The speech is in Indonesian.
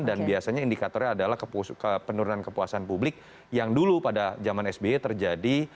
dan biasanya indikatornya adalah penurunan kepuasan publik yang dulu pada zaman sby terjadi